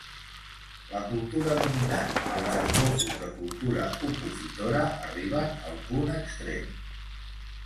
La cultura dominant i els esbossos de cultura opositora arriben al punt extrem.